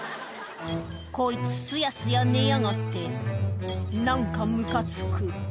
「こいつスヤスヤ寝やがって何かムカつく」